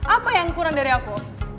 apa yang kurang dari aku